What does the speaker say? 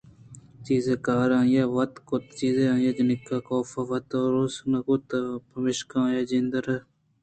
چیزے کار آئی ءَ وت کُت چیزے آئی ءِ جنکاں ( کافکا ءَ وت آروس نہ کُتگ اَت پمشکا آئی ءِ جند ءَ را چک نیست اَت) میکس براڈ ءَ اے دُرٛاہیں کار چہ یورپ ءَ لڈّگ ءُاسرائیل ءَ آہگ ءَ پد کُت انت کہ آزمانگ ءَ فلسطین اَت